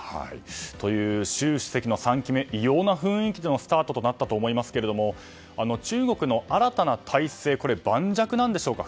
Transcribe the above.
という習主席の３期目異様な雰囲気でのスタートとなったと思いますが中国の新たな体制は盤石なんでしょうか。